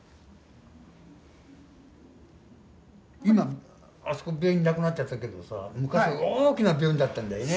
今あそこ病院なくなっちゃったけどさ昔大きな病院だったんだよね。